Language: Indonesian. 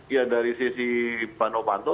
ya dari sisi pak novanto